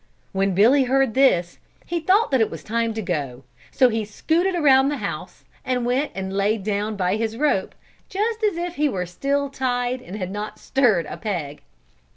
When Billy heard this, he thought that it was time to go, so he scooted around the house, and went and laid down by his rope, just as if he were still tied and had not stirred a peg.